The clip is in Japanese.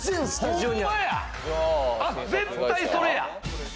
絶対それや！